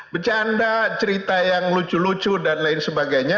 bercanda cerita yang lucu lucu dan lain sebagainya